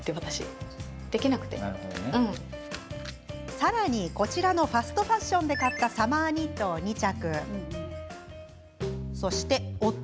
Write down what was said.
さらに、こちらのファストファッションで買ったサマーニットを２着。